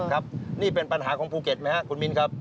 ครับนี่เป็นปัญหาของภูเก็ตไหมครับคุณมินครับ